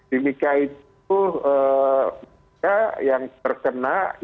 timika itu ya yang terkena ya